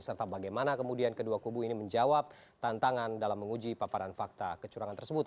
serta bagaimana kemudian kedua kubu ini menjawab tantangan dalam menguji paparan fakta kecurangan tersebut